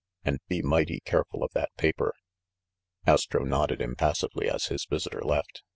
And be mighty careful of that paper !" Astro nodded impassively as his visitor left.